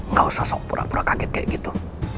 gak usah sok pura pura kaget kayak gitu